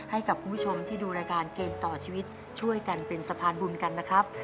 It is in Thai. ให้กับคุณผู้ชมที่ดูรายการเกมต่อชีวิตช่วยกันเป็นสะพานบุญกันนะครับ